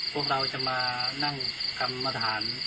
พวกเราจะมานั่งกรรมฐาน